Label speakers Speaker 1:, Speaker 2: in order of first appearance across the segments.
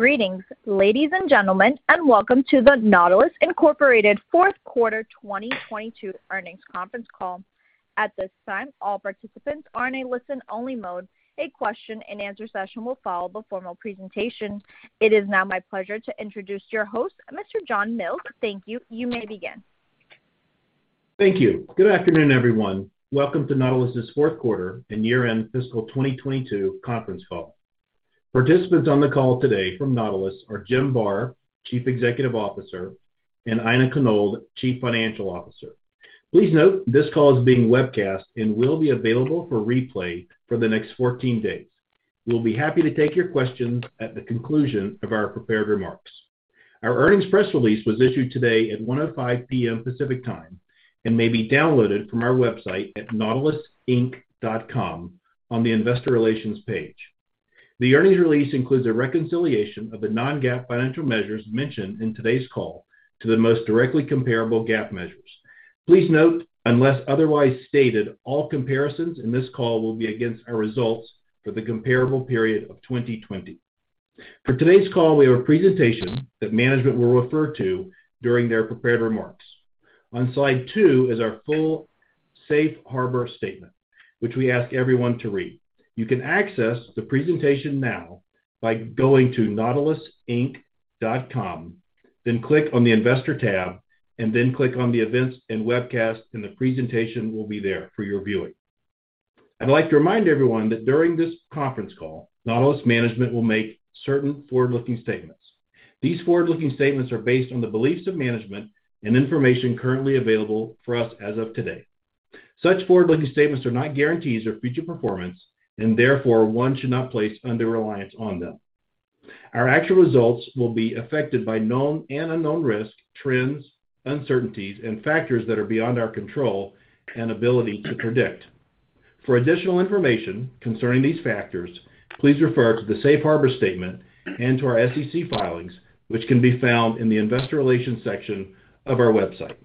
Speaker 1: Greetings, ladies and gentlemen, and welcome to the Nautilus, Inc. fourth quarter 2022 Earnings Conference Call. At this time, all participants are in a listen-only mode. A question and answer session will follow the formal presentation. It is now my pleasure to introduce your host, Mr. John Mills. Thank you. You may begin.
Speaker 2: Thank you. Good afternoon, everyone. Welcome to Nautilus's fourth quarter and year-end fiscal 2022 conference call. Participants on the call today from Nautilus are Jim Barr, Chief Executive Officer, and Aina Konold, Chief Financial Officer. Please note, this call is being webcast and will be available for replay for the next 14 days. We'll be happy to take your questions at the conclusion of our prepared remarks. Our earnings press release was issued today at 1:05 P.M. Pacific Time and may be downloaded from our website at nautilusinc.com on the Investor Relations page. The earnings release includes a reconciliation of the non-GAAP financial measures mentioned in today's call to the most directly comparable GAAP measures. Please note, unless otherwise stated, all comparisons in this call will be against our results for the comparable period of 2020. For today's call, we have a presentation that management will refer to during their prepared remarks. On slide two is our full safe harbor statement, which we ask everyone to read. You can access the presentation now by going to nautilusinc.com, then click on the Investor tab, and then click on the Events and Webcasts, and the presentation will be there for your viewing. I'd like to remind everyone that during this conference call, BowFlex management will make certain forward-looking statements. These forward-looking statements are based on the beliefs of management and information currently available for us as of today. Such forward-looking statements are not guarantees of future performance, and therefore, one should not place undue reliance on them. Our actual results will be affected by known and unknown risks, trends, uncertainties, and factors that are beyond our control and ability to predict. For additional information concerning these factors, please refer to the safe harbor statement and to our SEC filings, which can be found in the Investor Relations section of our website.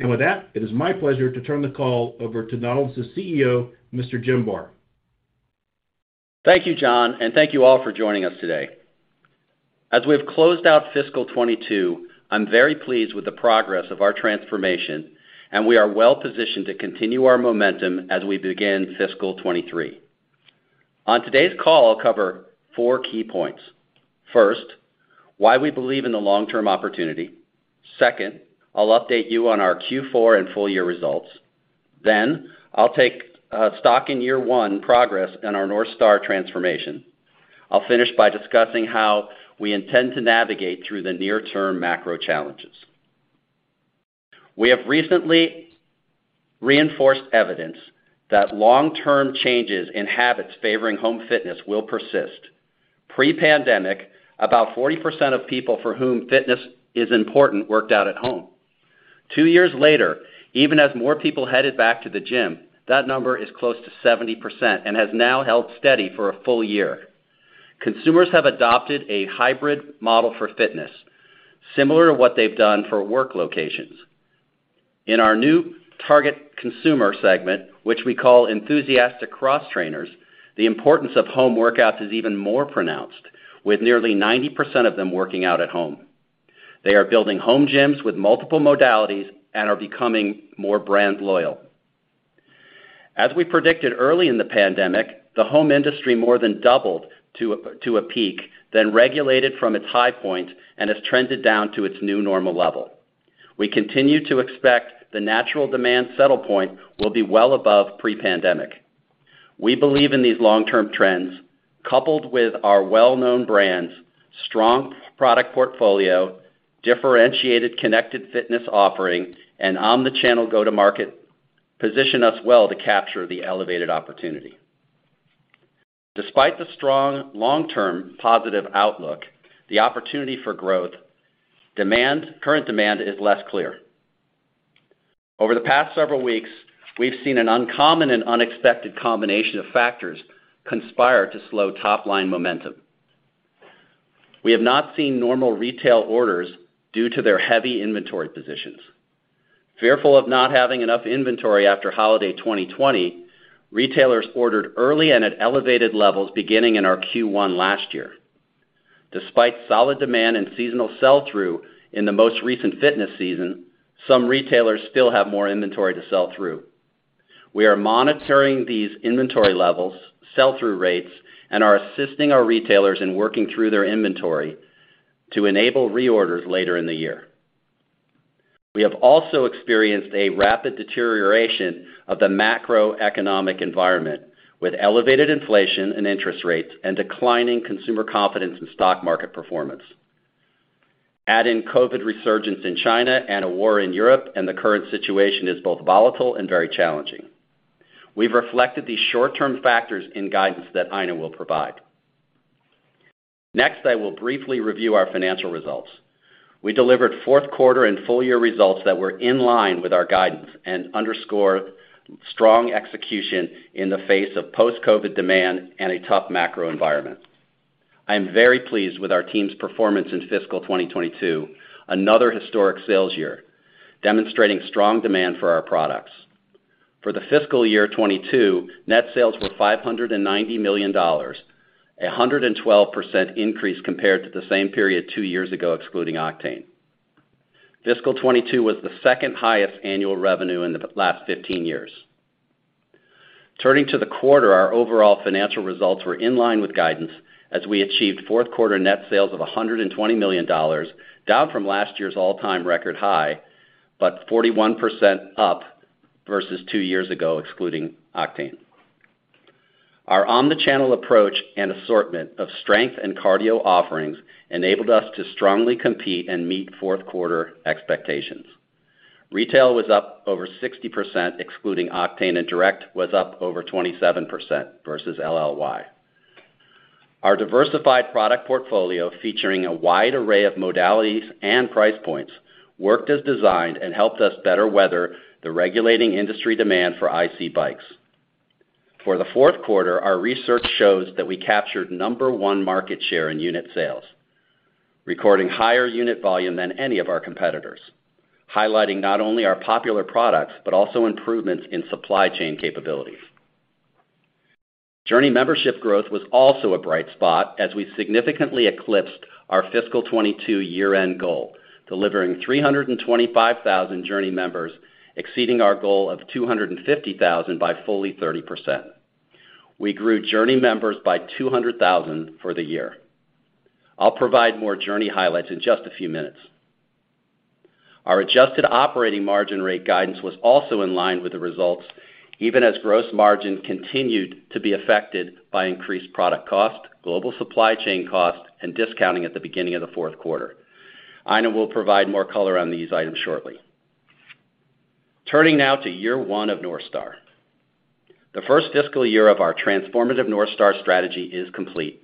Speaker 2: With that, it is my pleasure to turn the call over to Nautilus' CEO, Mr. Jim Barr.
Speaker 3: Thank you, John, and thank you all for joining us today. As we've closed out fiscal 2022, I'm very pleased with the progress of our transformation, and we are well-positioned to continue our momentum as we begin fiscal 2023. On today's call, I'll cover four key points. First, why we believe in the long-term opportunity. Second, I'll update you on our Q4 and full year results. Then, I'll take stock in year one progress in our North Star transformation. I'll finish by discussing how we intend to navigate through the near-term macro challenges. We have recently reinforced evidence that long-term changes in habits favoring home fitness will persist. Pre-pandemic, about 40% of people for whom fitness is important worked out at home. Two years later, even as more people headed back to the gym, that number is close to 70% and has now held steady for a full year. Consumers have adopted a hybrid model for fitness, similar to what they've done for work locations. In our new target consumer segment, which we call Enthusiastic Cross-Trainers, the importance of home workouts is even more pronounced, with nearly 90% of them working out at home. They are building home gyms with multiple modalities and are becoming more brand loyal. As we predicted early in the pandemic, the home industry more than doubled to a peak, then regulated from its high point and has trended down to its new normal level. We continue to expect the natural demand settle point will be well above pre-pandemic. We believe in these long-term trends, coupled with our well-known brands, strong product portfolio, differentiated connected fitness offering, and omni-channel go-to-market position us well to capture the elevated opportunity. Despite the strong long-term positive outlook, the opportunity for growth, demand, current demand is less clear. Over the past several weeks, we've seen an uncommon and unexpected combination of factors conspire to slow top-line momentum. We have not seen normal retail orders due to their heavy inventory positions. Fearful of not having enough inventory after holiday 2020, retailers ordered early and at elevated levels beginning in our Q1 last year. Despite solid demand and seasonal sell-through in the most recent fitness season, some retailers still have more inventory to sell through. We are monitoring these inventory levels, sell-through rates, and are assisting our retailers in working through their inventory to enable reorders later in the year. We have also experienced a rapid deterioration of the macroeconomic environment, with elevated inflation and interest rates and declining consumer confidence in stock market performance. Add in COVID resurgence in China and a war in Europe, and the current situation is both volatile and very challenging. We've reflected these short-term factors in guidance that Aina will provide. Next, I will briefly review our financial results. We delivered fourth quarter and full year results that were in line with our guidance and underscore strong execution in the face of post-COVID demand and a tough macro environment. I am very pleased with our team's performance in fiscal 2022, another historic sales year, demonstrating strong demand for our products. For the fiscal year 2022, net sales were $590 million, 112% increase compared to the same period two years ago, excluding Octane. Fiscal 2022 was the second highest annual revenue in the last 15 years. Turning to the quarter, our overall financial results were in line with guidance as we achieved fourth quarter net sales of $120 million, down from last year's all-time record high, but 41% up versus two years ago, excluding Octane. Our omni-channel approach and assortment of strength and cardio offerings enabled us to strongly compete and meet fourth quarter expectations. Retail was up over 60% excluding Octane, and direct was up over 27% versus LLY. Our diversified product portfolio, featuring a wide array of modalities and price points, worked as designed and helped us better weather the moderating industry demand for IC bikes. For the fourth quarter, our research shows that we captured number one market share in unit sales, recording higher unit volume than any of our competitors, highlighting not only our popular products, but also improvements in supply chain capabilities. JRNY membership growth was also a bright spot as we significantly eclipsed our fiscal 2022 year-end goal, delivering 325,000 JRNY members, exceeding our goal of 250,000 by fully 30%. We grew JRNY members by 200,000 for the year. I'll provide more JRNY highlights in just a few minutes. Our adjusted operating margin rate guidance was also in line with the results, even as gross margin continued to be affected by increased product cost, global supply chain costs, and discounting at the beginning of the fourth quarter. Aina will provide more color on these items shortly. Turning now to year one of North Star. The first fiscal year of our transformative North Star strategy is complete.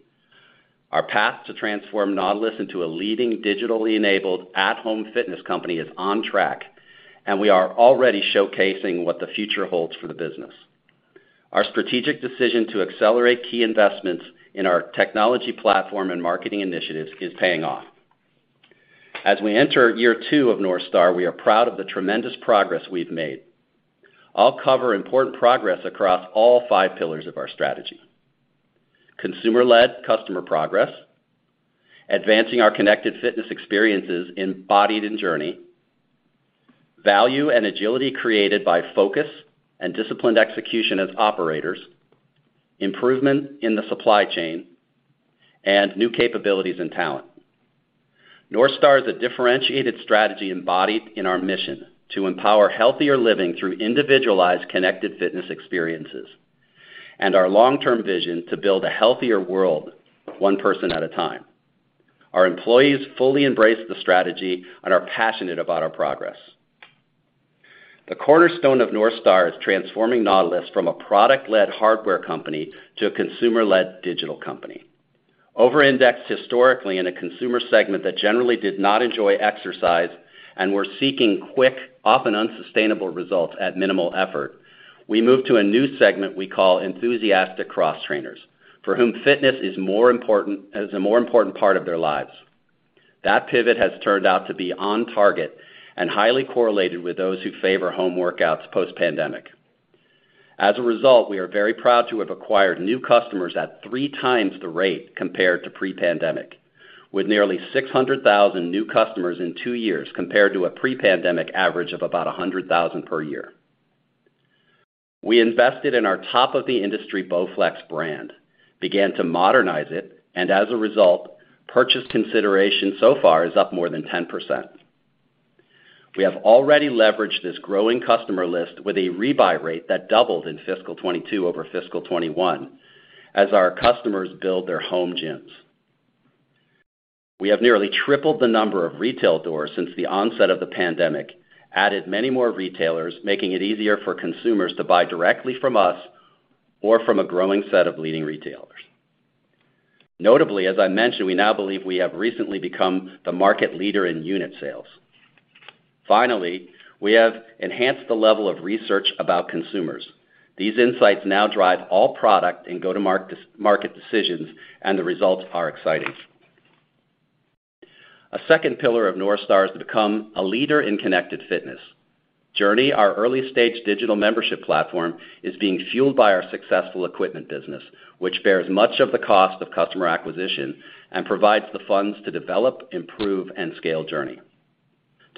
Speaker 3: Our path to transform Nautilus into a leading digitally enabled at-home fitness company is on track, and we are already showcasing what the future holds for the business. Our strategic decision to accelerate key investments in our technology platform and marketing initiatives is paying off. As we enter year two of North Star, we are proud of the tremendous progress we've made. I'll cover important progress across all five pillars of our strategy. Consumer-led customer progress, advancing our connected fitness experiences embodied in JRNY, value and agility created by focus and disciplined execution as operators, improvement in the supply chain, and new capabilities and talent. North Star is a differentiated strategy embodied in our mission to empower healthier living through individualized connected fitness experiences, and our long-term vision to build a healthier world one person at a time. Our employees fully embrace the strategy and are passionate about our progress. The cornerstone of North Star is transforming Nautilus from a product-led hardware company to a consumer-led digital company. Over-indexed historically in a consumer segment that generally did not enjoy exercise and were seeking quick, often unsustainable results at minimal effort, we moved to a new segment we call Enthusiastic Cross-Trainers, for whom fitness is more important, as a more important part of their lives. That pivot has turned out to be on target and highly correlated with those who favor home workouts post-pandemic. As a result, we are very proud to have acquired new customers at three times the rate compared to pre-pandemic, with nearly 600,000 new customers in two years compared to a pre-pandemic average of about 100,000 per year. We invested in our top of the industry BowFlex brand, began to modernize it, and as a result, purchase consideration so far is up more than 10%. We have already leveraged this growing customer list with a rebuy rate that doubled in fiscal 2022 over fiscal 2021 as our customers build their home gyms. We have nearly tripled the number of retail doors since the onset of the pandemic, added many more retailers, making it easier for consumers to buy directly from us or from a growing set of leading retailers. Notably, as I mentioned, we now believe we have recently become the market leader in unit sales. Finally, we have enhanced the level of research about consumers. These insights now drive all product and go-to-market decisions, and the results are exciting. A second pillar of North Star is to become a leader in connected fitness. JRNY, our early-stage digital membership platform, is being fueled by our successful equipment business, which bears much of the cost of customer acquisition and provides the funds to develop, improve, and scale JRNY.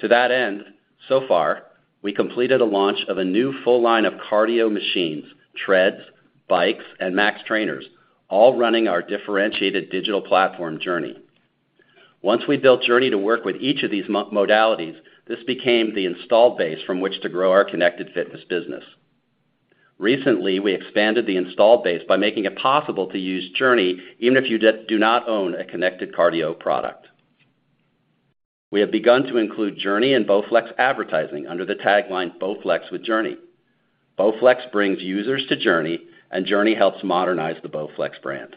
Speaker 3: To that end, so far, we completed a launch of a new full line of cardio machines, treads, bikes, and Max Trainers, all running our differentiated digital platform, JRNY. Once we built JRNY to work with each of these modalities, this became the installed base from which to grow our connected fitness business. Recently, we expanded the installed base by making it possible to use JRNY even if you do not own a connected cardio product. We have begun to include JRNY in BowFlex advertising under the tagline BowFlex with JRNY. BowFlex brings users to JRNY, and JRNY helps modernize the BowFlex brand.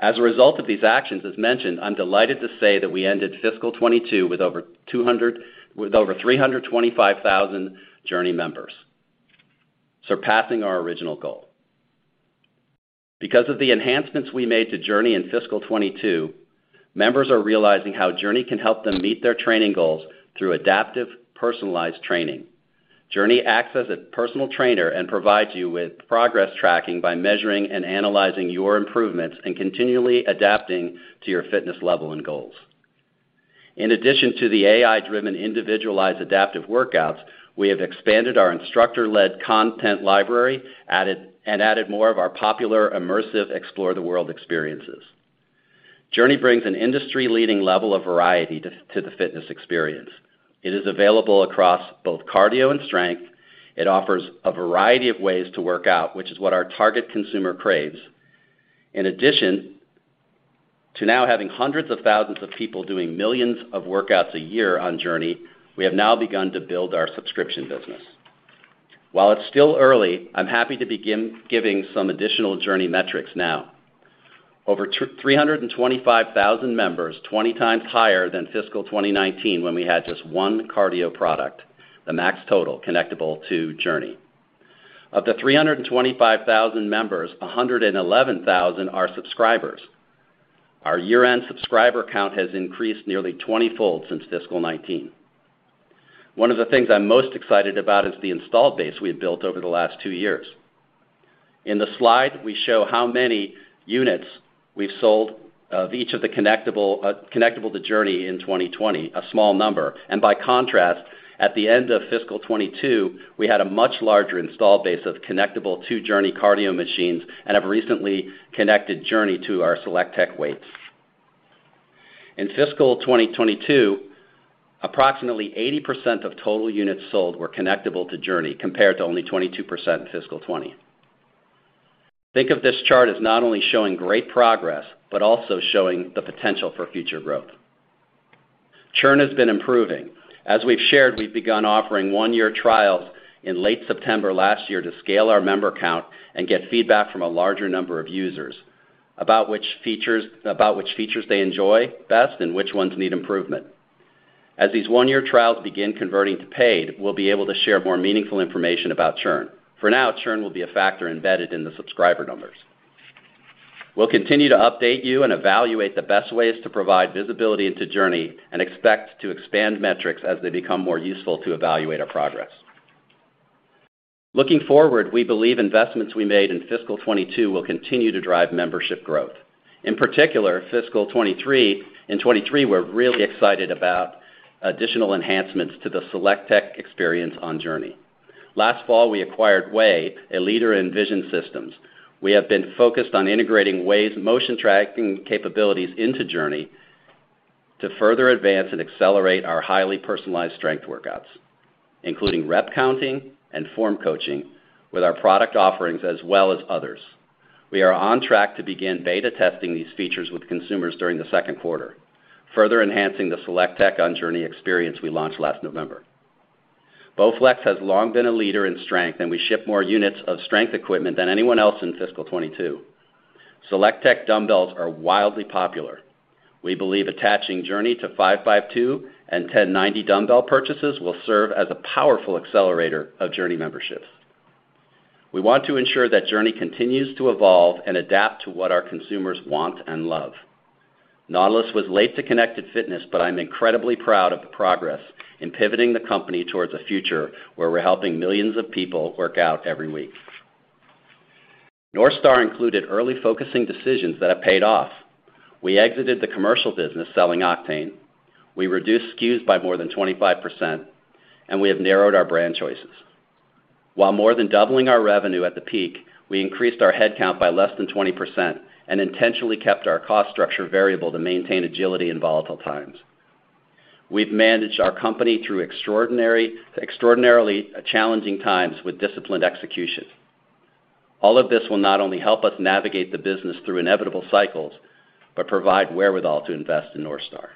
Speaker 3: As a result of these actions, as mentioned, I'm delighted to say that we ended fiscal 2022 with over 325,000 JRNY members, surpassing our original goal. Because of the enhancements we made to JRNY in fiscal 2022, members are realizing how JRNY can help them meet their training goals through adaptive, personalized training. JRNY acts as a personal trainer and provides you with progress tracking by measuring and analyzing your improvements and continually adapting to your fitness level and goals. In addition to the AI-driven, individualized adaptive workouts, we have expanded our instructor-led content library and added more of our popular immersive Explore the World experiences. JRNY brings an industry-leading level of variety to the fitness experience. It is available across both cardio and strength. It offers a variety of ways to work out, which is what our target consumer craves. In addition to now having hundreds of thousands of people doing millions of workouts a year on JRNY, we have now begun to build our subscription business. While it's still early, I'm happy to begin giving some additional JRNY metrics now. Over 325,000 members, 20 times higher than fiscal 2019 when we had just one cardio product, the Max Total, connectable to JRNY. Of the 325,000 members, 111,000 are subscribers. Our year-end subscriber count has increased nearly 20-fold since fiscal 2019. One of the things I'm most excited about is the installed base we have built over the last two years. In the slide, we show how many units we've sold of each of the connectable to JRNY in 2020, a small number. By contrast, at the end of fiscal 2022, we had a much larger installed base of connectable to JRNY cardio machines and have recently connected JRNY to our SelectTech weights. In fiscal 2022, approximately 80% of total units sold were connectable to JRNY, compared to only 22% in fiscal 2020. Think of this chart as not only showing great progress, but also showing the potential for future growth. Churn has been improving. As we've shared, we've begun offering one-year trials in late September last year to scale our member count and get feedback from a larger number of users about which features they enjoy best and which ones need improvement. As these one-year trials begin converting to paid, we'll be able to share more meaningful information about churn. For now, churn will be a factor embedded in the subscriber numbers. We'll continue to update you and evaluate the best ways to provide visibility into JRNY and expect to expand metrics as they become more useful to evaluate our progress. Looking forward, we believe investments we made in fiscal 2022 will continue to drive membership growth. In particular, in 2023, we're really excited about additional enhancements to the SelectTech experience on JRNY. Last fall, we acquired VAY, a leader in vision systems. We have been focused on integrating VAY's motion tracking capabilities into JRNY to further advance and accelerate our highly personalized strength workouts, including rep counting and form coaching with our product offerings as well as others. We are on track to begin beta testing these features with consumers during the second quarter, further enhancing the SelectTech on JRNY experience we launched last November. BowFlex has long been a leader in strength, and we ship more units of strength equipment than anyone else in fiscal 2022. SelectTech dumbbells are wildly popular. We believe attaching JRNY to 552 and 1090 dumbbell purchases will serve as a powerful accelerator of JRNY memberships. We want to ensure that JRNY continues to evolve and adapt to what our consumers want and love. Nautilus was late to connected fitness, but I'm incredibly proud of the progress in pivoting the company towards a future where we're helping millions of people work out every week. North Star included early focusing decisions that have paid off. We exited the commercial business selling Octane. We reduced SKUs by more than 25%, and we have narrowed our brand choices. While more than doubling our revenue at the peak, we increased our headcount by less than 20% and intentionally kept our cost structure variable to maintain agility in volatile times. We've managed our company through extraordinary, extraordinarily challenging times with disciplined execution. All of this will not only help us navigate the business through inevitable cycles, but provide wherewithal to invest in North Star.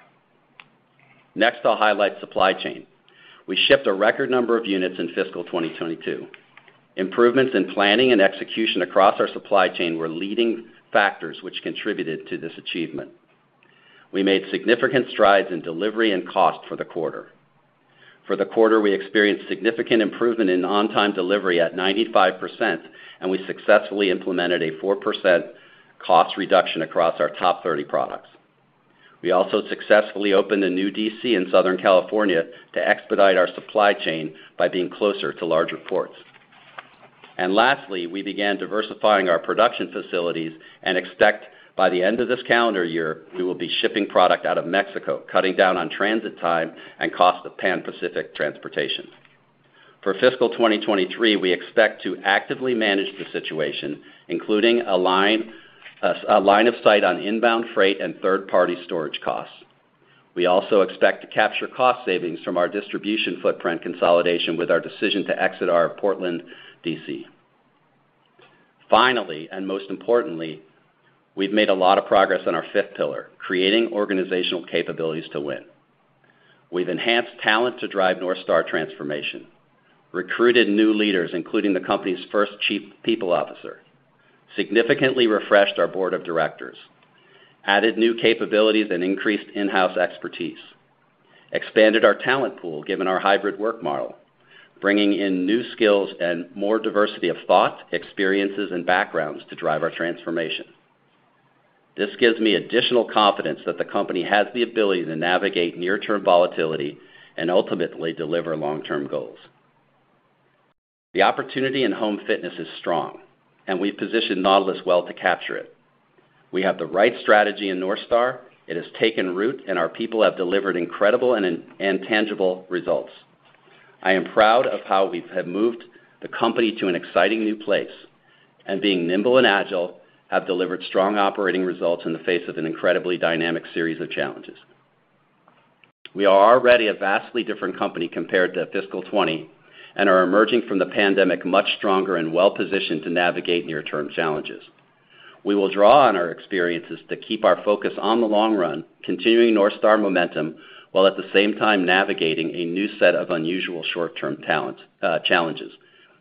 Speaker 3: Next, I'll highlight supply chain. We shipped a record number of units in fiscal 2022. Improvements in planning and execution across our supply chain were leading factors which contributed to this achievement. We made significant strides in delivery and cost for the quarter. For the quarter, we experienced significant improvement in on-time delivery at 95%, and we successfully implemented a 4% cost reduction across our top 30 products. We also successfully opened a new DC in Southern California to expedite our supply chain by being closer to larger ports. Lastly, we began diversifying our production facilities and expect by the end of this calendar year, we will be shipping product out of Mexico, cutting down on transit time and cost of trans-Pacific transportation. For fiscal 2023, we expect to actively manage the situation, including a line of sight on inbound freight and third-party storage costs. We also expect to capture cost savings from our distribution footprint consolidation with our decision to exit our Portland DC. Finally, and most importantly, we've made a lot of progress on our fifth pillar, creating organizational capabilities to win. We've enhanced talent to drive North Star transformation, recruited new leaders, including the company's first chief people officer, significantly refreshed our board of directors, added new capabilities, and increased in-house expertise. We've expanded our talent pool, given our hybrid work model, bringing in new skills and more diversity of thought, experiences, and backgrounds to drive our transformation. This gives me additional confidence that the company has the ability to navigate near-term volatility and ultimately deliver long-term goals. The opportunity in home fitness is strong, and we've positioned Nautilus well to capture it. We have the right strategy in North Star. It has taken root, and our people have delivered incredible and intangible results. I am proud of how we have moved the company to an exciting new place, and being nimble and agile, have delivered strong operating results in the face of an incredibly dynamic series of challenges. We are already a vastly different company compared to fiscal 2020, and are emerging from the pandemic much stronger and well-positioned to navigate near-term challenges. We will draw on our experiences to keep our focus on the long run, continuing North Star momentum, while at the same time navigating a new set of unusual short-term talent challenges,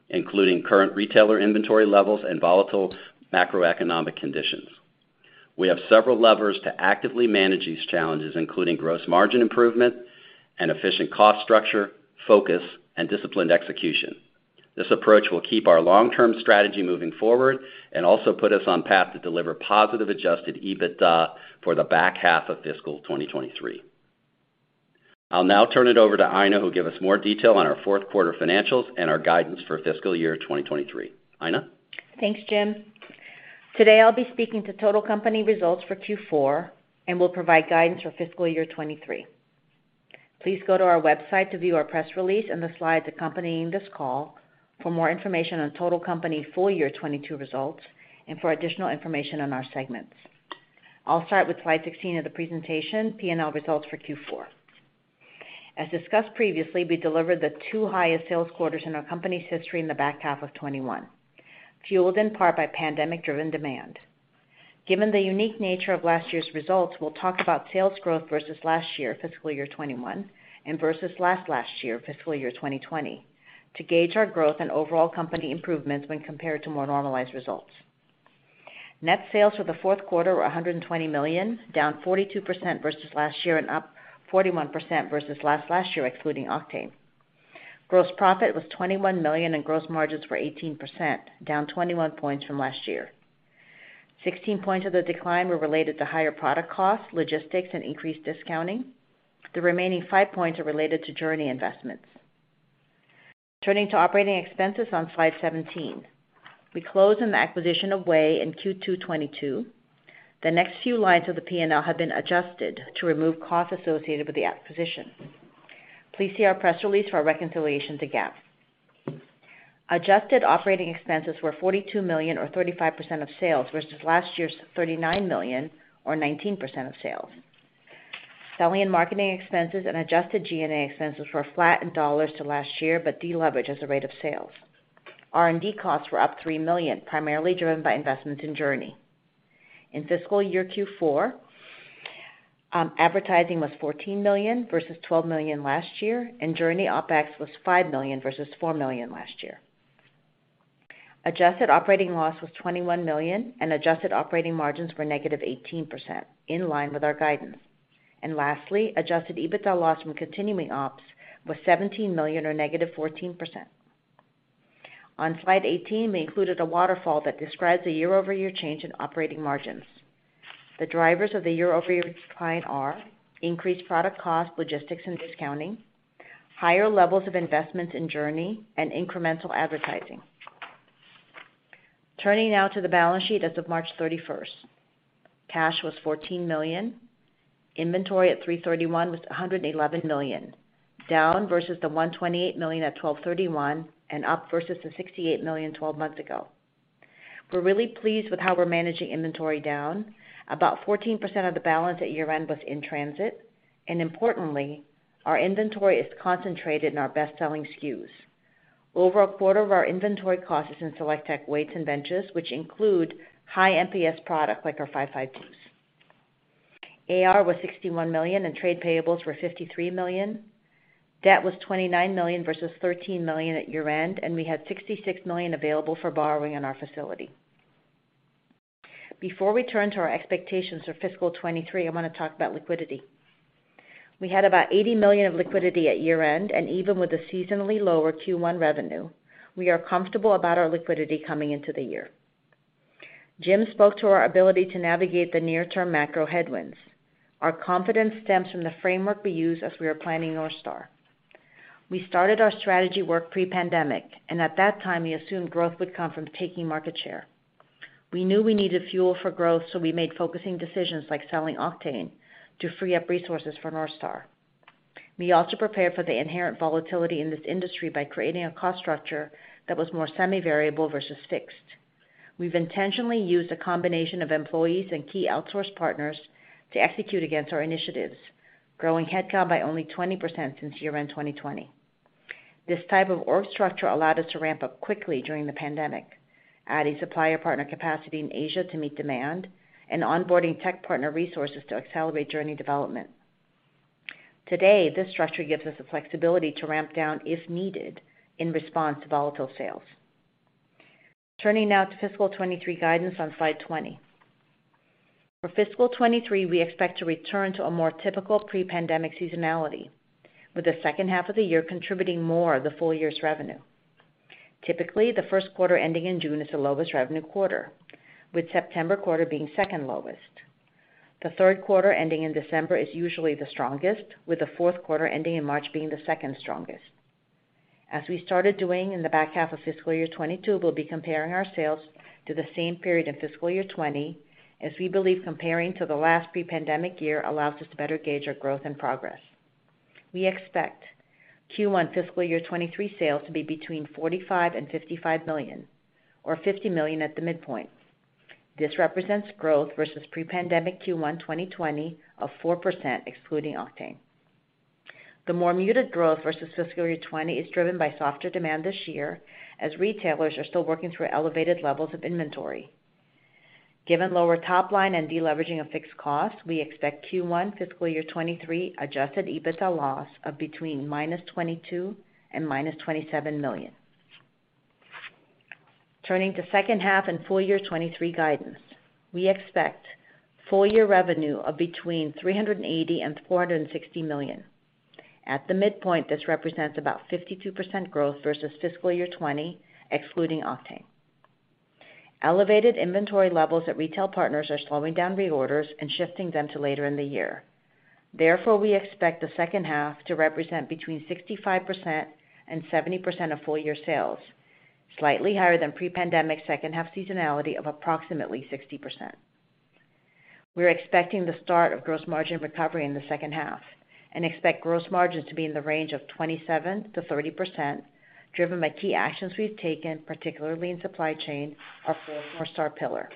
Speaker 3: including current retailer inventory levels and volatile macroeconomic conditions. We have several levers to actively manage these challenges, including gross margin improvement, an efficient cost structure, focus, and disciplined execution. This approach will keep our long-term strategy moving forward and also put us on path to deliver positive adjusted EBITDA for the back half of fiscal 2023. I'll now turn it over to Aina, who'll give us more detail on our fourth quarter financials and our guidance for fiscal year 2023. Aina?
Speaker 4: Thanks, Jim. Today, I'll be speaking to total company results for Q4, and we'll provide guidance for fiscal year 2023. Please go to our website to view our press release and the slides accompanying this call for more information on total company full year 2022 results, and for additional information on our segments. I'll start with slide 16 of the presentation, P&L results for Q4. As discussed previously, we delivered the two highest sales quarters in our company's history in the back half of 2021, fueled in part by pandemic-driven demand. Given the unique nature of last year's results, we'll talk about sales growth versus last year, fiscal year 2021, and versus last year, fiscal year 2020, to gauge our growth and overall company improvements when compared to more normalized results. Net sales for the fourth quarter were $120 million, down 42% versus last year and up 41% versus last year, excluding Octane. Gross profit was $21 million and gross margins were 18%, down 21 points from last year. 16 points of the decline were related to higher product costs, logistics, and increased discounting. The remaining five points are related to JRNY investments. Turning to operating expenses on slide 17. We closed on the acquisition of VAY in Q2 2022. The next few lines of the P&L have been adjusted to remove costs associated with the acquisition. Please see our press release for a reconciliation to GAAP. Adjusted operating expenses were $42 million or 35% of sales versus last year's $39 million or 19% of sales. Selling and marketing expenses and adjusted G&A expenses were flat in dollars to last year, but deleveraged as a rate of sales. R&D costs were up $3 million, primarily driven by investments in JRNY. In fiscal year Q4, advertising was $14 million versus $12 million last year, and JRNY OpEx was $5 million versus $4 million last year. Adjusted operating loss was $21 million and adjusted operating margins were negative 18%, in line with our guidance. Lastly, adjusted EBITDA loss from continuing ops was $17 million or negative 14%. On slide 18, we included a waterfall that describes the year-over-year change in operating margins. The drivers of the year-over-year decline are increased product cost, logistics, and discounting, higher levels of investments in JRNY, and incremental advertising. Turning now to the balance sheet as of March 31. Cash was $14 million. Inventory at 3/31 was $111 million, down versus the $128 million at 12/31 and up versus the $68 million 12 months ago. We're really pleased with how we're managing inventory down. About 14% of the balance at year-end was in transit. Importantly, our inventory is concentrated in our best-selling SKUs. Over a quarter of our inventory cost is in SelectTech weights and benches, which include high MAP product like our 552. AR was $61 million and trade payables were $53 million. Debt was $29 million versus $13 million at year-end, and we had $66 million available for borrowing in our facility. Before we turn to our expectations for fiscal 2023, I want to talk about liquidity. We had about $80 million of liquidity at year-end, and even with the seasonally lower Q1 revenue, we are comfortable about our liquidity coming into the year. Jim spoke to our ability to navigate the near-term macro headwinds. Our confidence stems from the framework we use as we are planning North Star. We started our strategy work pre-pandemic, and at that time, we assumed growth would come from taking market share. We knew we needed fuel for growth, so we made focusing decisions like selling Octane to free up resources for North Star. We also prepared for the inherent volatility in this industry by creating a cost structure that was more semi-variable versus fixed. We've intentionally used a combination of employees and key outsource partners to execute against our initiatives, growing headcount by only 20% since year-end 2020. This type of org structure allowed us to ramp up quickly during the pandemic, adding supplier partner capacity in Asia to meet demand and onboarding tech partner resources to accelerate JRNY development. Today, this structure gives us the flexibility to ramp down, if needed, in response to volatile sales. Turning now to fiscal 2023 guidance on slide 20. For fiscal 2023, we expect to return to a more typical pre-pandemic seasonality, with the second half of the year contributing more of the full year's revenue. Typically, the first quarter ending in June is the lowest revenue quarter, with September quarter being second lowest. The third quarter ending in December is usually the strongest, with the fourth quarter ending in March being the second strongest. As we started doing in the back half of fiscal year 2022, we'll be comparing our sales to the same period in fiscal year 2020, as we believe comparing to the last pre-pandemic year allows us to better gauge our growth and progress. We expect Q1 fiscal year 2023 sales to be between $45 million and $55 million, or $50 million at the midpoint. This represents growth versus pre-pandemic Q1 2020 of 4%, excluding Octane. The more muted growth versus fiscal year 2020 is driven by softer demand this year, as retailers are still working through elevated levels of inventory. Given lower top line and deleveraging of fixed costs, we expect Q1 fiscal year 2023 adjusted EBITDA loss of between -$22 million and -$27 million. Turning to second half and full year 2023 guidance. We expect full year revenue of between $380 million and $460 million. At the midpoint, this represents about 52% growth versus fiscal year 2020, excluding Octane. Elevated inventory levels at retail partners are slowing down reorders and shifting them to later in the year. Therefore, we expect the second half to represent between 65% and 70% of full-year sales, slightly higher than pre-pandemic second half seasonality of approximately 60%. We're expecting the start of gross margin recovery in the second half and expect gross margins to be in the range of 27%-30%, driven by key actions we've taken, particularly in supply chain, our fourth North Star pillar.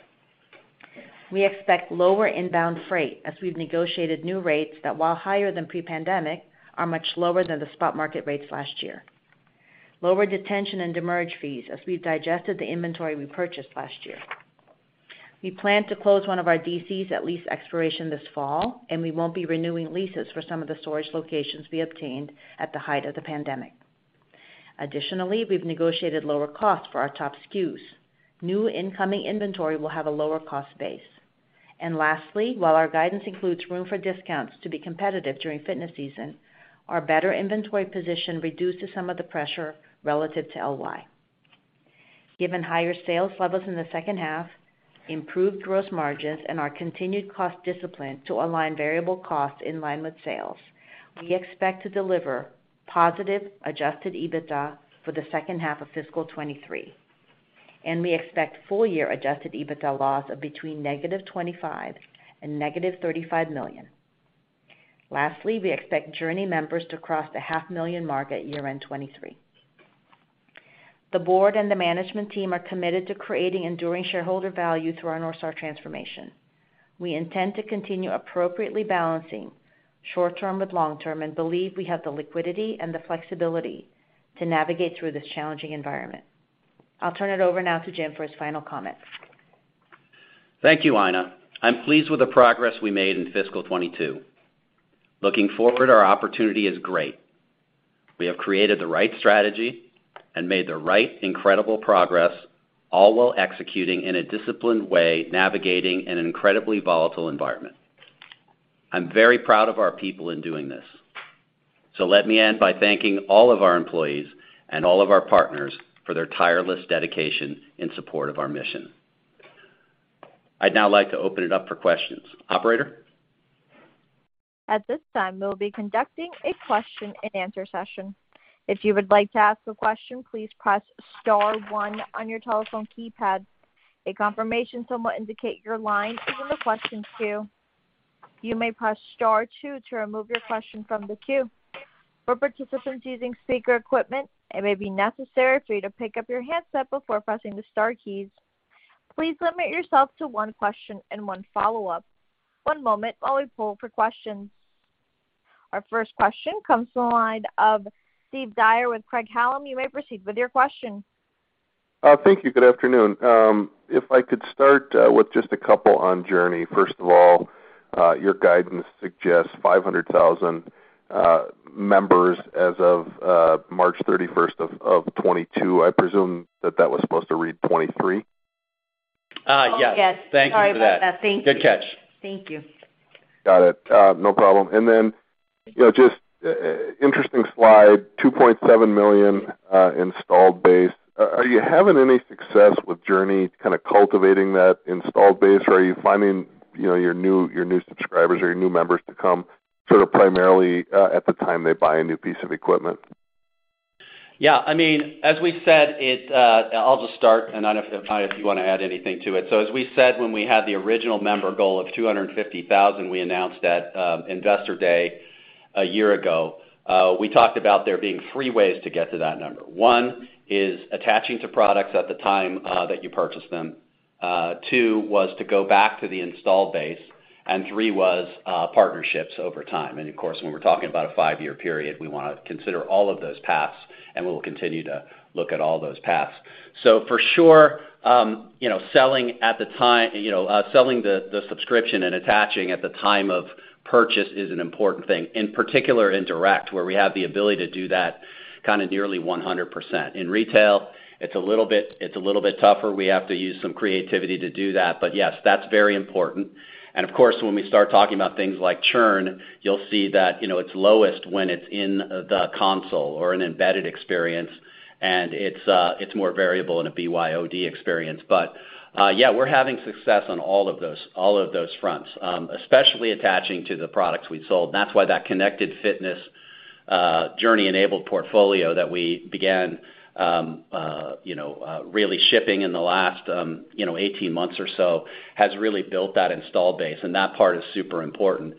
Speaker 4: We expect lower inbound freight as we've negotiated new rates that, while higher than pre-pandemic, are much lower than the spot market rates last year. Lower detention and demurrage fees as we've digested the inventory we purchased last year. We plan to close one of our DCs at lease expiration this fall, and we won't be renewing leases for some of the storage locations we obtained at the height of the pandemic. Additionally, we've negotiated lower costs for our top SKUs. New incoming inventory will have a lower cost base. Lastly, while our guidance includes room for discounts to be competitive during fitness season, our better inventory position reduces some of the pressure relative to LY. Given higher sales levels in the second half, improved gross margins, and our continued cost discipline to align variable costs in line with sales, we expect to deliver positive adjusted EBITDA for the second half of fiscal 2023, and we expect full-year adjusted EBITDA loss of between -$25 million and -$35 million. Lastly, we expect JRNY members to cross the 500,000 mark at year-end 2023. The board and the management team are committed to creating enduring shareholder value through our North Star transformation. We intend to continue appropriately balancing short-term with long-term and believe we have the liquidity and the flexibility to navigate through this challenging environment. I'll turn it over now to Jim for his final comments.
Speaker 3: Thank you, Aina. I'm pleased with the progress we made in fiscal 2022. Looking forward, our opportunity is great. We have created the right strategy and made the right incredible progress, all while executing in a disciplined way, navigating an incredibly volatile environment. I'm very proud of our people in doing this. Let me end by thanking all of our employees and all of our partners for their tireless dedication in support of our mission. I'd now like to open it up for questions. Operator?
Speaker 1: At this time, we'll be conducting a question and answer session. If you would like to ask a question, please press star one on your telephone keypad. A confirmation tone will indicate your line is in the question queue. You may press star two to remove your question from the queue. For participants using speaker equipment, it may be necessary for you to pick up your handset before pressing the star keys. Please limit yourself to one question and one follow-up. One moment while we poll for questions. Our first question comes from the line of Steve Dyer with Craig-Hallum. You may proceed with your question.
Speaker 5: Thank you. Good afternoon. If I could start with just a couple on JRNY. First of all, your guidance suggests 500,000 members as of March 31, 2022. I presume that was supposed to read 2023?
Speaker 3: Yes.
Speaker 4: Oh, yes.
Speaker 3: Thank you for that.
Speaker 4: Sorry about that. Thank you.
Speaker 3: Good catch.
Speaker 4: Thank you.
Speaker 5: Got it. No problem. You know, just interesting slide, 2.7 million installed base. Are you having any success with JRNY to kind of cultivating that installed base, or are you finding, you know, your new subscribers or your new members to come sort of primarily at the time they buy a new piece of equipment? Yeah. I mean, as we said, I'll just start, and then, Aina, if you wanna add anything to it. As we said when we had the original member goal of 250,000, we announced at Investor Day a year ago, we talked about there being three ways to get to that number. One is attaching to products at the time that you purchase them. Two was to go back to the installed base, and three was partnerships over time. Of course, when we're talking about a five-year period, we wanna consider all of those paths, and we will continue to look at all those paths.
Speaker 3: For sure, you know, selling the subscription and attaching at the time of purchase is an important thing, in particular in direct, where we have the ability to do that kind of nearly 100%. In retail, it's a little bit tougher. We have to use some creativity to do that. Yes, that's very important. Of course, when we start talking about things like churn, you'll see that, you know, it's lowest when it's in the console or an embedded experience, and it's more variable in a BYOD experience. Yeah, we're having success on all of those fronts, especially attaching to the products we've sold. That's why that connected fitness, JRNY-enabled portfolio that we began, you know, really shipping in the last, you know, 18 months or so, has really built that install base, and that part is super important.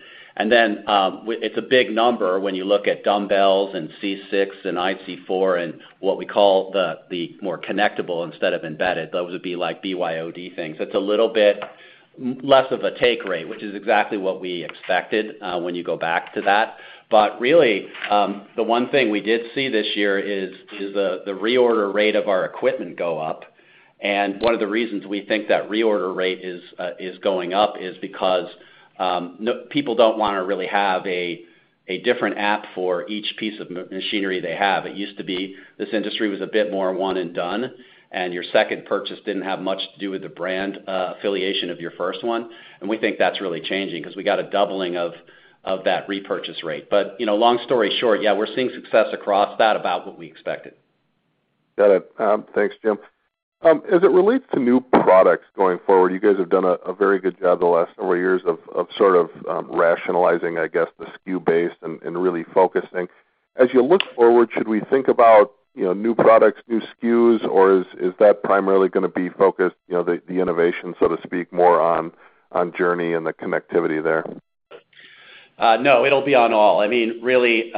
Speaker 3: Then, it's a big number when you look at dumbbells and C6 and IC4 and what we call the more connectable instead of embedded. Those would be like BYOD things. It's a little bit less of a take rate, which is exactly what we expected, when you go back to that. Really, the one thing we did see this year is the reorder rate of our equipment go up. One of the reasons we think that reorder rate is going up is because people don't wanna really have a different app for each piece of machinery they have. It used to be this industry was a bit more one and done, and your second purchase didn't have much to do with the brand affiliation of your first one. We think that's really changing because we got a doubling of that repurchase rate. You know, long story short, yeah, we're seeing success across that, about what we expected.
Speaker 5: Got it. Thanks, Jim. As it relates to new products going forward, you guys have done a very good job the last several years of sort of rationalizing, I guess, the SKU base and really focusing. As you look forward, should we think about, you know, new products, new SKUs, or is that primarily gonna be focused, you know, the innovation, so to speak, more on JRNY and the connectivity there?
Speaker 3: No, it'll be on all. I mean, really,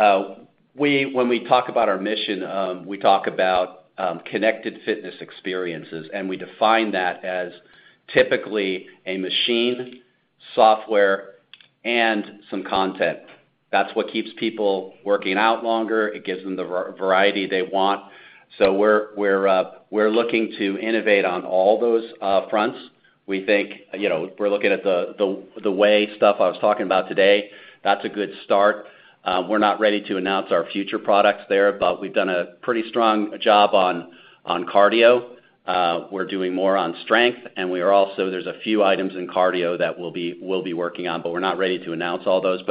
Speaker 3: when we talk about our mission, we talk about connected fitness experiences, and we define that as typically a machine, software, and some content. That's what keeps people working out longer. It gives them the variety they want. We're looking to innovate on all those fronts. We think, you know, if we're looking at the weight stuff I was talking about today, that's a good start. We're not ready to announce our future products there, but we've done a pretty strong job on cardio. We're doing more on strength, and there are a few items in cardio that we'll be working on, but we're not ready to announce all those.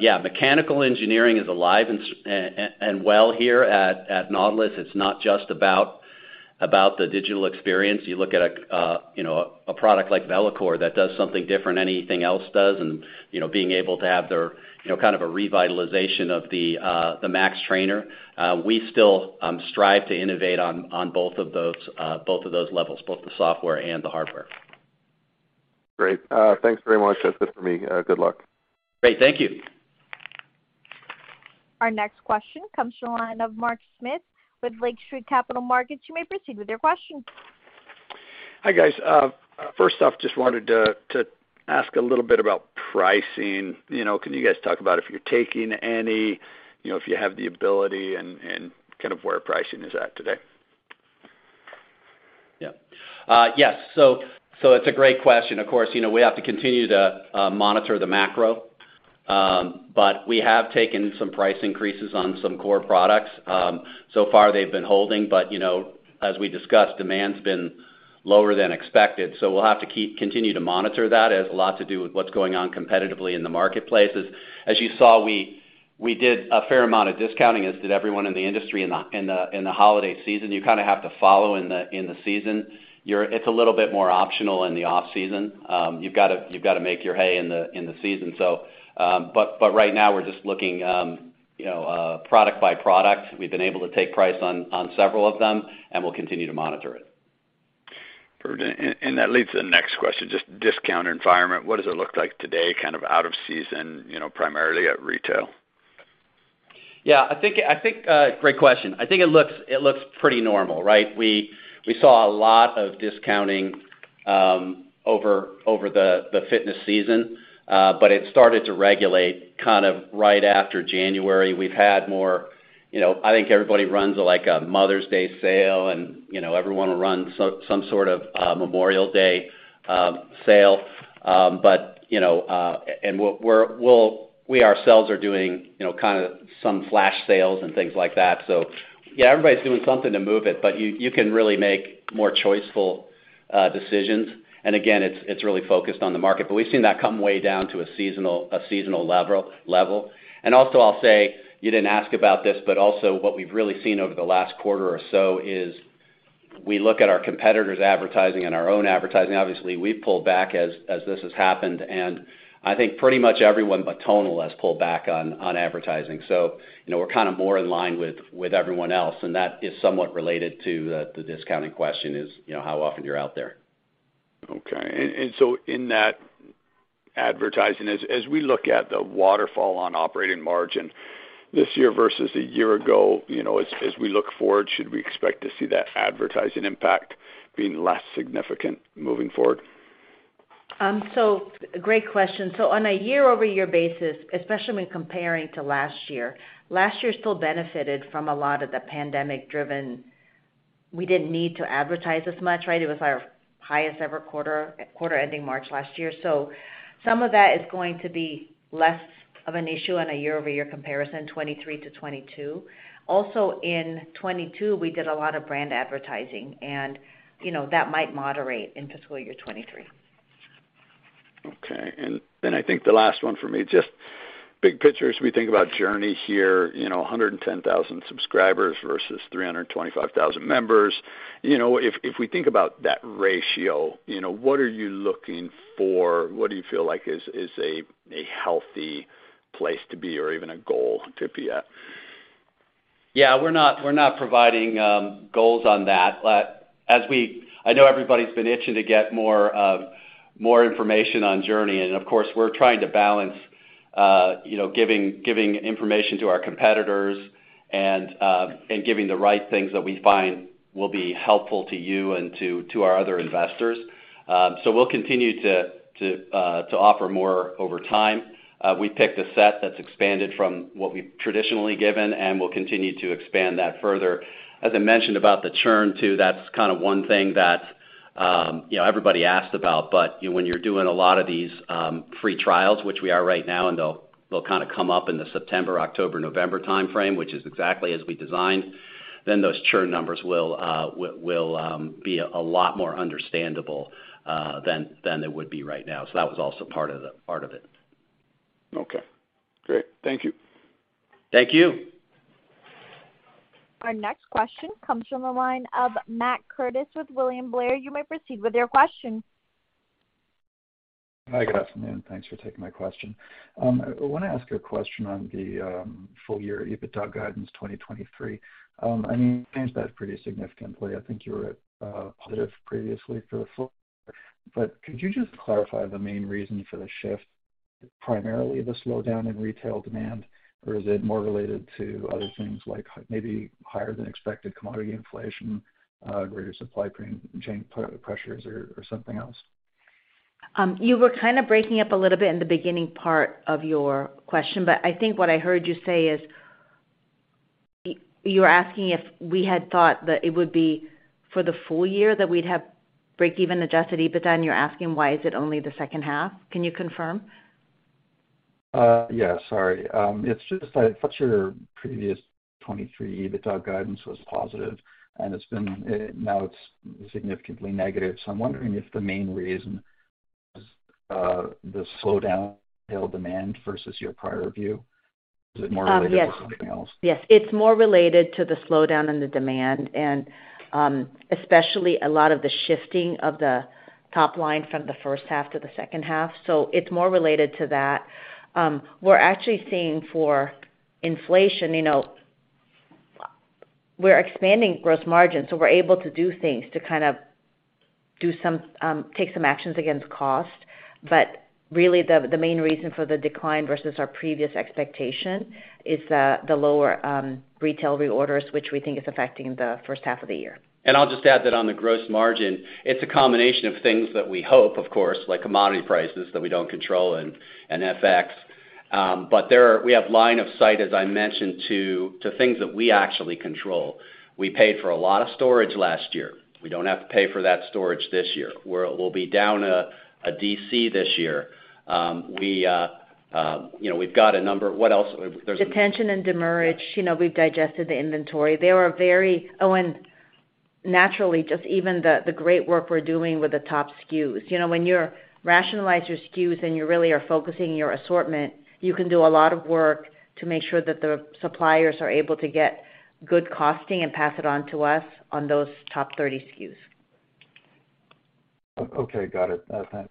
Speaker 3: Yeah, mechanical engineering is alive and well here at Nautilus. It's not just about the digital experience. You look at a product like VeloCore that does something different than anything else does, and you know, being able to have there kind of a revitalization of the Max Trainer. We still strive to innovate on both of those levels, both the software and the hardware.
Speaker 5: Great. Thanks very much. That's it for me. Good luck.
Speaker 3: Great. Thank you.
Speaker 1: Our next question comes from the line of Mark Smith with Lake Street Capital Markets. You may proceed with your question.
Speaker 6: Hi, guys. First off, just wanted to ask a little bit about pricing. You know, can you guys talk about if you're taking any, you know, if you have the ability and kind of where pricing is at today?
Speaker 3: Yeah. Yes, it's a great question. Of course, you know, we have to continue to monitor the macro, but we have taken some price increases on some core products. So far they've been holding, but, you know, as we discussed, demand's been lower than expected, so we'll have to continue to monitor that. It has a lot to do with what's going on competitively in the marketplace. As you saw, we did a fair amount of discounting, as did everyone in the industry in the holiday season. You kind of have to follow in the season. It's a little bit more optional in the off-season. You've gotta make your hay in the season. But right now we're just looking, you know, product by product. We've been able to take price on several of them, and we'll continue to monitor it.
Speaker 6: that leads to the next question, just discount environment. What does it look like today kind of out of season, you know, primarily at retail?
Speaker 3: Yeah, I think great question. I think it looks pretty normal, right? We saw a lot of discounting over the fitness season, but it started to regulate kind of right after January. We've had more. You know, I think everybody runs like a Mother's Day sale, and you know, everyone will run some sort of Memorial Day sale. You know, we ourselves are doing you know, kind of some flash sales and things like that. Yeah, everybody's doing something to move it, but you can really make more choiceful decisions. Again, it's really focused on the market. We've seen that come way down to a seasonal level. I'll say, you didn't ask about this, but also what we've really seen over the last quarter or so is we look at our competitors' advertising and our own advertising. Obviously, we've pulled back as this has happened, and I think pretty much everyone but Tonal has pulled back on advertising. You know, we're kind of more in line with everyone else, and that is somewhat related to the discounting question is, you know, how often you're out there.
Speaker 6: Okay. In that advertising, as we look at the waterfall on operating margin this year versus a year ago, you know, as we look forward, should we expect to see that advertising impact being less significant moving forward?
Speaker 4: Great question. On a year-over-year basis, especially when comparing to last year, last year still benefited from a lot of the pandemic-driven. We didn't need to advertise as much, right? It was our highest ever quarter ending March last year. Some of that is going to be less of an issue on a year-over-year comparison, 2023 to 2022. Also in 2022, we did a lot of brand advertising, and, you know, that might moderate in fiscal year 2023.
Speaker 6: Okay. I think the last one for me, just big picture as we think about JRNY here, you know, 110,000 subscribers versus 325,000 members. You know, if we think about that ratio, you know, what are you looking for? What do you feel like is a healthy place to be or even a goal to be at?
Speaker 3: Yeah. We're not providing goals on that. I know everybody's been itching to get more information on JRNY, and of course, we're trying to balance you know, giving information to our competitors and giving the right things that we find will be helpful to you and to our other investors. We'll continue to offer more over time. We picked a set that's expanded from what we've traditionally given, and we'll continue to expand that further. As I mentioned about the churn too, that's kind of one thing that you know, everybody asks about. When you're doing a lot of these free trials, which we are right now, and they'll kind of come up in the September, October, November timeframe, which is exactly as we designed, then those churn numbers will be a lot more understandable than they would be right now. That was also part of it.
Speaker 6: Okay. Great. Thank you.
Speaker 3: Thank you.
Speaker 1: Our next question comes from the line of Matt Koranda with William Blair. You may proceed with your question.
Speaker 7: Hi. Good afternoon. Thanks for taking my question. I wanna ask a question on the full year EBITDA guidance 2023. I mean, you changed that pretty significantly. I think you were at positive previously for the full year. Could you just clarify the main reason for the shift, primarily the slowdown in retail demand, or is it more related to other things like maybe higher than expected commodity inflation, greater supply chain pressures or something else?
Speaker 4: You were kind of breaking up a little bit in the beginning part of your question, but I think what I heard you say is you were asking if we had thought that it would be for the full year that we'd have breakeven adjusted EBITDA, and you're asking why is it only the second half? Can you confirm?
Speaker 7: Sorry. It's just that it's your previous 2023 EBITDA guidance was positive, and now it's significantly negative. I'm wondering if the main reason is the slowdown in retail demand versus your prior view. Is it more related-
Speaker 4: Yes.
Speaker 7: to something else?
Speaker 4: Yes. It's more related to the slowdown in the demand and, especially a lot of the shifting of the top line from the first half to the second half. It's more related to that. We're actually seeing for inflation, you know, we're expanding gross margin, so we're able to do things to kind of take some actions against cost. Really, the main reason for the decline versus our previous expectation is the lower retail reorders, which we think is affecting the first half of the year.
Speaker 3: I'll just add that on the gross margin, it's a combination of things that we hope, of course, like commodity prices that we don't control and FX. We have line of sight, as I mentioned, to things that we actually control. We paid for a lot of storage last year. We don't have to pay for that storage this year. We'll be down a DC this year. You know, we've got a number.
Speaker 4: Detention and demurrage.
Speaker 3: Yeah.
Speaker 4: You know, we've digested the inventory. They were very. Oh, and naturally, just even the great work we're doing with the top SKUs. You know, when you rationalize your SKUs and you really are focusing your assortment, you can do a lot of work to make sure that the suppliers are able to get good costing and pass it on to us on those top 30 SKUs.
Speaker 7: Okay, got it.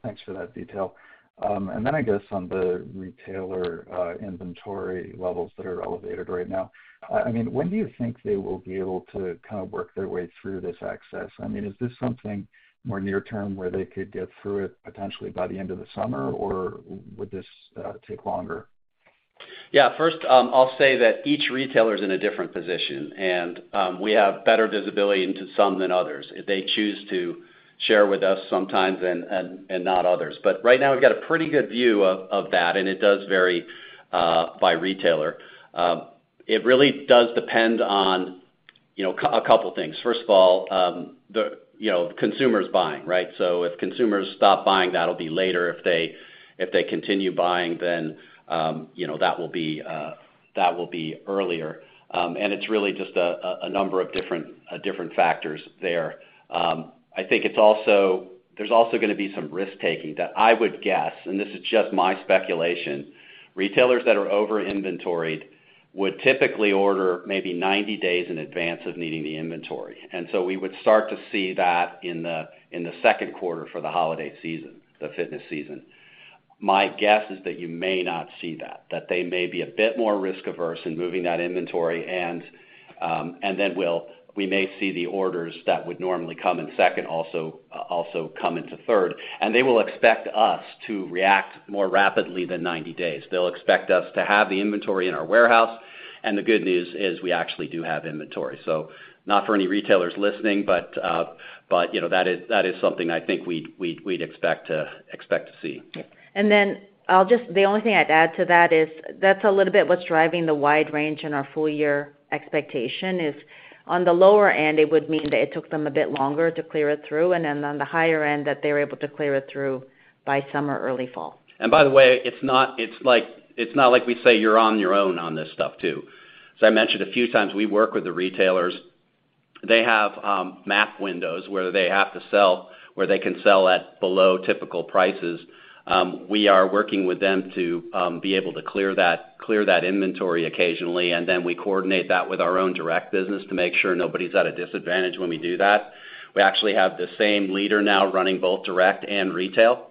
Speaker 7: Thanks for that detail. I guess on the retailer inventory levels that are elevated right now, I mean, when do you think they will be able to kind of work their way through this excess? I mean, is this something more near-term where they could get through it potentially by the end of the summer, or would this take longer?
Speaker 3: Yeah. First, I'll say that each retailer is in a different position, and we have better visibility into some than others if they choose to share with us sometimes and not others. Right now, we've got a pretty good view of that, and it does vary by retailer. It really does depend on you know, a couple things. First of all, you know, consumer's buying, right? If consumers stop buying, that'll be later. If they continue buying, then you know, that will be earlier. It's really just a number of different factors there. I think it's also there's also gonna be some risk-taking that I would guess, and this is just my speculation. Retailers that are over inventoried would typically order maybe 90 days in advance of needing the inventory. We would start to see that in the second quarter for the holiday season, the fitness season. My guess is that you may not see that they may be a bit more risk-averse in moving that inventory and then we may see the orders that would normally come in second also come into third, and they will expect us to react more rapidly than 90 days. They'll expect us to have the inventory in our warehouse. The good news is we actually do have inventory. Not for any retailers listening, but, you know, that is something I think we'd expect to see.
Speaker 4: The only thing I'd add to that is that's a little bit what's driving the wide range in our full year expectation. On the lower end, it would mean that it took them a bit longer to clear it through, and then on the higher end, that they were able to clear it through by summer, early fall.
Speaker 3: By the way, it's not like we say you're on your own on this stuff too. As I mentioned a few times, we work with the retailers. They have MAP windows where they can sell at below typical prices. We are working with them to be able to clear that inventory occasionally, and then we coordinate that with our own direct business to make sure nobody's at a disadvantage when we do that. We actually have the same leader now running both direct and retail,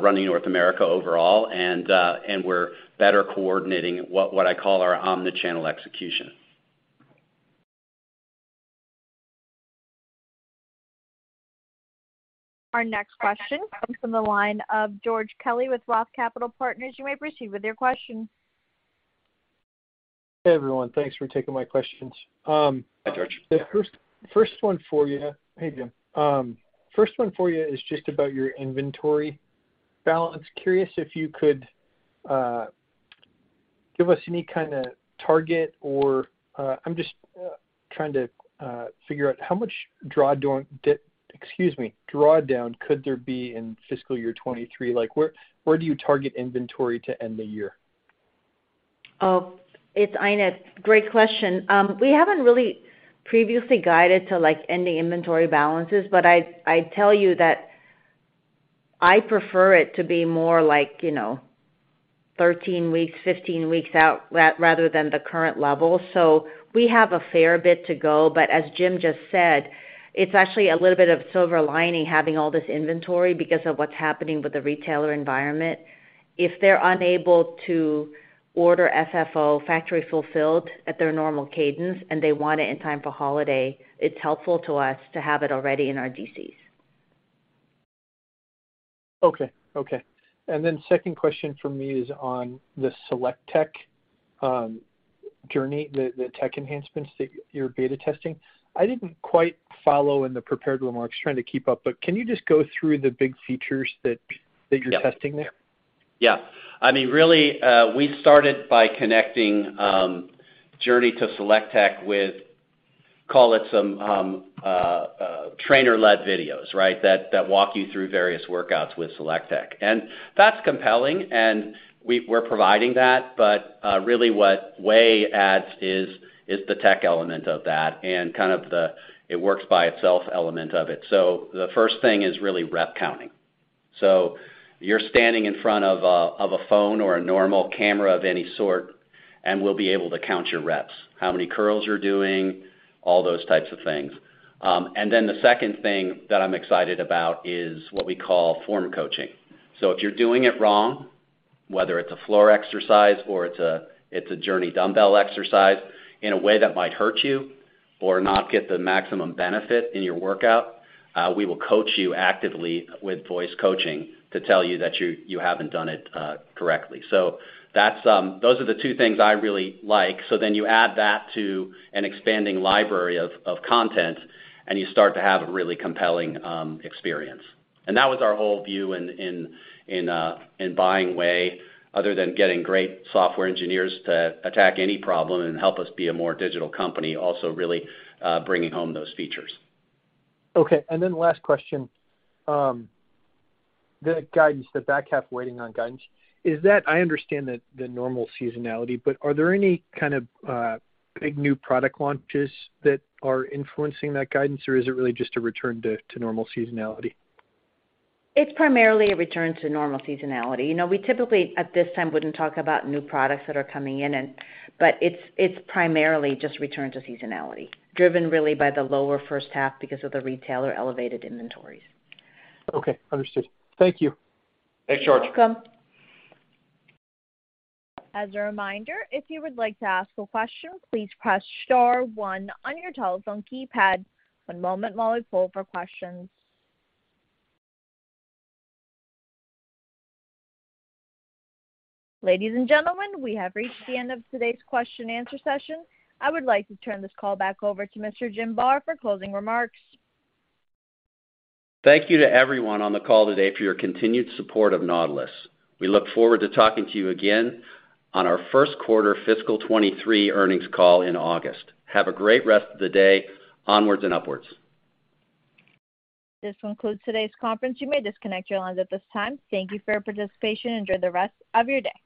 Speaker 3: running North America overall. We're better coordinating what I call our omni-channel execution.
Speaker 1: Our next question comes from the line of George Kelly with Roth Capital Partners. You may proceed with your question.
Speaker 8: Hey, everyone. Thanks for taking my questions.
Speaker 3: Hi, George.
Speaker 8: The first one for you. Hey, Jim. First one for you is just about your inventory balance. Curious if you could give us any kinda target or, I'm just trying to figure out how much drawdown could there be in fiscal year 2023? Like, where do you target inventory to end the year?
Speaker 4: Oh, it's Aina. Great question. We haven't really previously guided to, like, ending inventory balances, but I tell you that I prefer it to be more like, you know, 13 weeks, 15 weeks out rather than the current level. We have a fair bit to go, but as Jim just said, it's actually a little bit of silver lining having all this inventory because of what's happening with the retailer environment. If they're unable to order FFO, factory fulfilled, at their normal cadence, and they want it in time for holiday, it's helpful to us to have it already in our DCs.
Speaker 8: Okay. Second question from me is on the SelectTech, JRNY, the tech enhancements that you're beta testing. I didn't quite follow in the prepared remarks. Trying to keep up. Can you just go through the big features that.
Speaker 3: Yeah.
Speaker 8: that you're testing there?
Speaker 3: Yeah. I mean, really, we started by connecting JRNY to SelectTech with, call it some, trainer-led videos, right? That walk you through various workouts with SelectTech. That's compelling, and we're providing that. Really what Weigh adds is the tech element of that and kind of the it works by itself element of it. The first thing is really rep counting. You're standing in front of a phone or a normal camera of any sort, and we'll be able to count your reps, how many curls you're doing, all those types of things. The second thing that I'm excited about is what we call form coaching. If you're doing it wrong, whether it's a floor exercise or it's a JRNY dumbbell exercise in a way that might hurt you or not get the maximum benefit in your workout, we will coach you actively with voice coaching to tell you that you haven't done it correctly. That's those are the two things I really like. Then you add that to an expanding library of content, and you start to have a really compelling experience. That was our whole view in buying VAY other than getting great software engineers to attack any problem and help us be a more digital company, also really bringing home those features.
Speaker 8: Okay. Last question. The guidance, the back half weighting on guidance, is that I understand the normal seasonality, but are there any kind of big new product launches that are influencing that guidance, or is it really just a return to normal seasonality?
Speaker 4: It's primarily a return to normal seasonality. You know, we typically, at this time, wouldn't talk about new products that are coming in, but it's primarily just return to seasonality, driven really by the lower first half because of the retailer elevated inventories.
Speaker 8: Okay. Understood. Thank you.
Speaker 3: Thanks, George.
Speaker 4: You're welcome.
Speaker 1: As a reminder, if you would like to ask a question, please press star one on your telephone keypad. One moment while we poll for questions. Ladies and gentlemen, we have reached the end of today's question and answer session. I would like to turn this call back over to Mr. Jim Barr for closing remarks.
Speaker 3: Thank you to everyone on the call today for your continued support of Nautilus. We look forward to talking to you again on our first quarter fiscal 2023 earnings call in August. Have a great rest of the day. Onwards and upwards.
Speaker 1: This concludes today's conference. You may disconnect your lines at this time. Thank you for your participation. Enjoy the rest of your day.